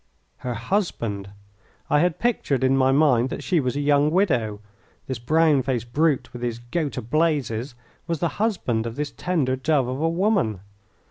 Her husband! I had pictured in my mind that she was a young widow. This brown faced brute with his "go to blazes" was the husband of this tender dove of a woman.